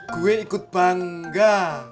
gue ikut bangga